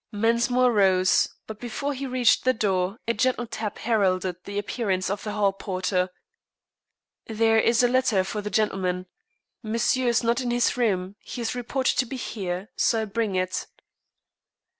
Mensmore rose, but before he reached the door a gentle tap heralded the appearance of the hall porter. "There is a letter for the gentleman. Monsieur is not in his room. He is reported to be here, so I bring it."